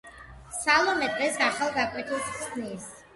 სალომე დღეს ახალ გაკვეთილს ხსნის